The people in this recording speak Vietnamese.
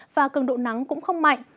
và cường độ nắng cũng không mạnh